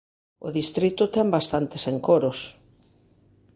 O distrito ten bastantes encoros.